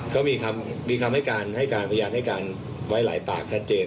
ก็มีคำให้การให้การพยานให้การไว้หลายปากชัดเจน